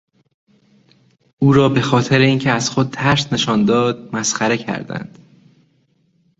او را به خاطر اینکه از خود ترس نشان داد مسخره کردند.